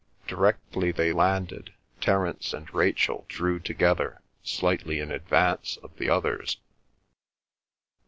Directly they landed, Terence and Rachel drew together slightly in advance of the others.